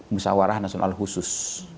musawarah nasional khusus